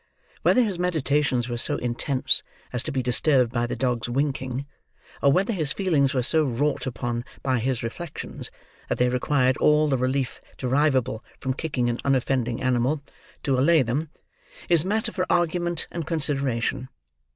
Whether his meditations were so intense as to be disturbed by the dog's winking, or whether his feelings were so wrought upon by his reflections that they required all the relief derivable from kicking an unoffending animal to allay them, is matter for argument and consideration.